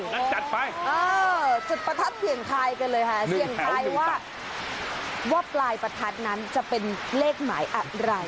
งั้นจัดไปจุดประทัดเสี่ยงทายกันเลยค่ะเสี่ยงทายว่าปลายประทัดนั้นจะเป็นเลขหมายอะไร